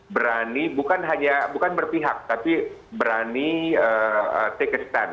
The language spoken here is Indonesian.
berani bukan hanya bukan berpihak tapi berani take of stand